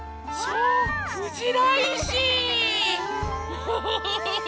ウフフフフフ！